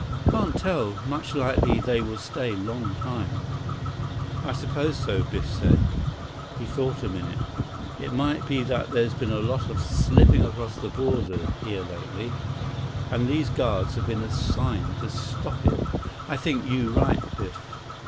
"Can't tell. Much likely they will stay long time." "I suppose so," Biff said. He thought a minute. "It might be that there's been a lot of slipping across the border here lately, and these guards have been assigned to stop it." 83 "I think you right, Biff."